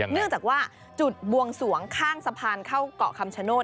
เนื่องจากว่าจุดบวงสวงข้างสะพานเข้าเกาะคำชโนธ